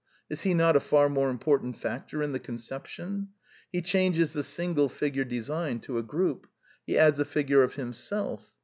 Is he not a far more important factor in the conception? He changes the single figure design to a group. He adds a figure of himself.